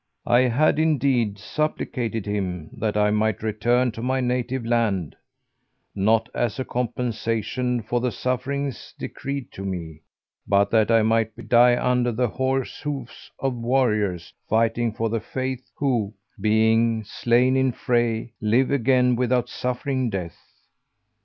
I had indeed supplicated Him that I might return to my native land, not as a compensation for the sufferings decreed to me, but that I might die under the horse hoofs of warriors fighting for the Faith who, being slain in fray, live again without suffering death."